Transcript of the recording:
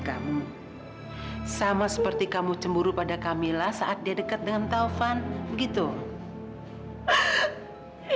kamu sama seperti kamu cemburu pada camilla saat dia deket dengan taufan gitu iya ya